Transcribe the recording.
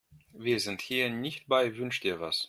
Wir sind hier nicht bei Wünsch-dir-was.